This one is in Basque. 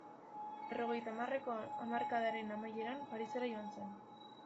Berrogeita hamarreko hamarkadaren amaieran Parisera joan zen.